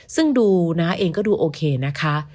ซึ่งดูน้าเองก็ดูโอเคนะคะ